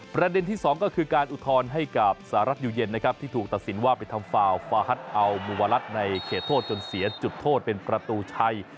ประเด็นที่สองก็คือการอุทธรณ์ให้กับสหรัฐอยู่เย็นนะครับที่ถูกตัดสินว่าไปทำฟาวฟาฮัทอัลมูวารัสในเขตโทษจนเสียจุดโทษเป็นประตูชัย